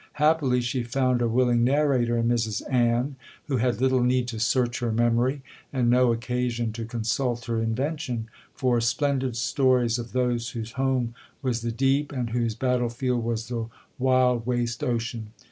Happily she found a willing narrator in Mrs Ann, who had little need to search her memory, and no occasion to consult her invention, for splendid stories of those whose home was the deep, and whose battle field was the wild waste ocean.